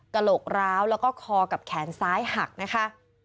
กระโหลกร้าวแล้วก็คอกับแขนซ้ายหักนะคะ